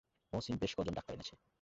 মহসিন বেশ ক জন ডাক্তার এনেছে।